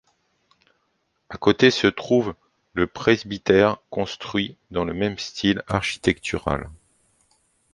À côté se trouve le presbytère construit dans le même style architectural.